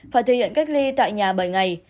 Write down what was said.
phải thực hiện cách ly tại nhà bảy ngày